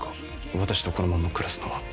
私とこのまま暮らすのは。